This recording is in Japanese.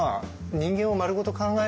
人間を丸ごと考える。